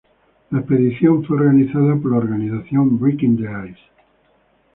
La expedición fue organizada por la organización "Breaking the Ice".